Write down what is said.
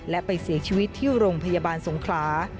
และไปเสียชีวิตที่โรงพยาบาลสงขลา